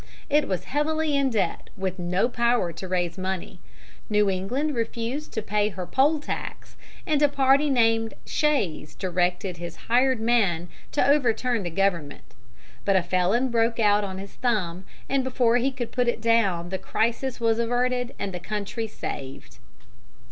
It was heavily in debt, with no power to raise money. New England refused to pay her poll tax, and a party named Shays directed his hired man to overturn the government; but a felon broke out on his thumb, and before he could put it down the crisis was averted and the country saved.